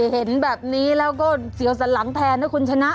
เห็นแบบนี้แล้วก็เสียวสันหลังแทนนะคุณชนะ